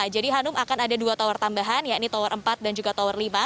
jadi hanum akan ada dua tower tambahan ya ini tower empat dan juga tower lima